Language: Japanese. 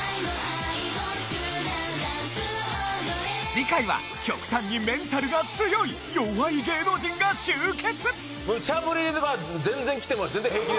次回は極端にメンタルが強い弱い芸能人が集結！